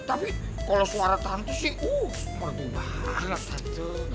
tapi kalau suara tante sih uh merdu banget